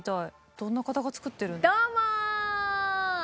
どんな方が作ってる」